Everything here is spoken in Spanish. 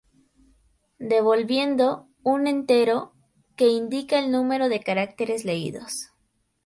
Devolviendo: un entero, que índica el número de caracteres leídos.